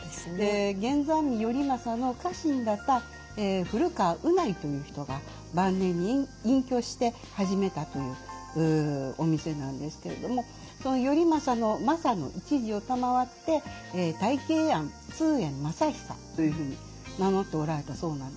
源三位頼政の家臣だった古川右内という人が晩年に隠居して始めたというお店なんですけれどもその頼政の「政」の一字を賜ってというふうに名乗っておられたそうなんです。